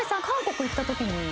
韓国行ったときに。